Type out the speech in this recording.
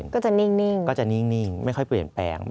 ก็จะนิ่งก็จะนิ่งไม่ค่อยเปลี่ยนแปลง